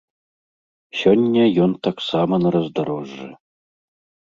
Сёння ён таксама на раздарожжы.